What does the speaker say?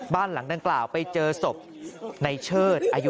บ้านหลังดังกล่าวไปเจอศพในเชิดอายุ